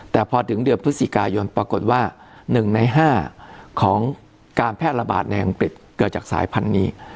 แต่พอถึงเดือนพฤศจิกายนปรากฏว่า๑ใน๕ของการแพร่ระบาดในอังกฤษเกิดจากสายพันธุ์นี้